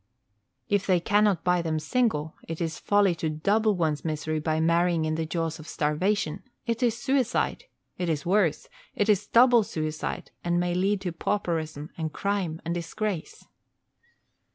If they cannot buy them single, it is folly to double one's misery by marrying in the jaws of starvation. It is suicide: it is worse, it is double suicide, and may lead to pauperism and crime and disgrace.